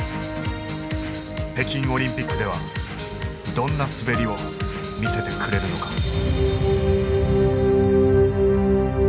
北京オリンピックではどんな滑りを見せてくれるのか。